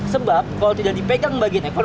sebab kalau tidak dipegang bagian ekor